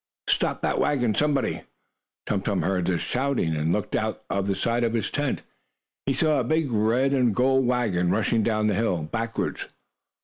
Stop that wagon, somebody!" Tum Tum heard this shouting, and looking out of the side of his tent, he saw a big red and gold wagon rushing down the hill backwards.